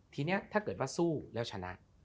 ทีนี้ถ้าสู้แล้วชนะ